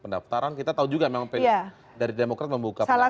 pendaftaran kita tahu juga memang dari demokrat membuka peluang